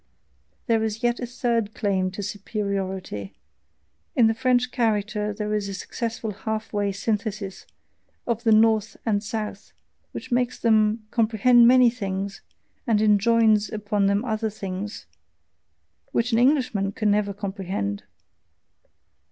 There is yet a THIRD claim to superiority: in the French character there is a successful half way synthesis of the North and South, which makes them comprehend many things, and enjoins upon them other things, which an Englishman can never comprehend.